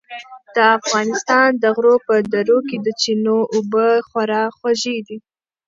د افغانستان د غرو په درو کې د چینو اوبه خورا خوږې دي.